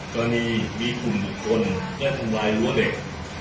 กรณีมีภูมิบุคคลแก้ทำลายลัวเด็ก